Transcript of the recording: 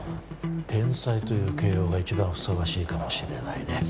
天才という形容が一番ふさわしいかもしれないね